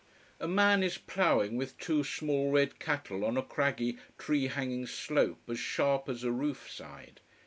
A man is ploughing with two small red cattle on a craggy, tree hanging slope as sharp as a roof side.